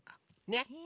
ねっ！